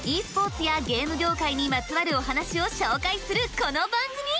ｅスポーツやゲーム業界にまつわるお話を紹介するこの番組。